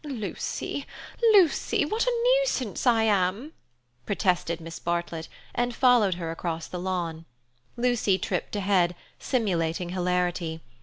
"Lucy—Lucy—what a nuisance I am!" protested Miss Bartlett, and followed her across the lawn. Lucy tripped ahead, simulating hilarity.